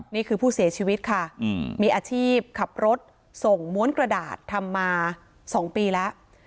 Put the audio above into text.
นี่คือผู้เสียชีวิตค่ะมีอาชีพขับรถส่งม้วนกระดาษทำมา๒ปีแล้ว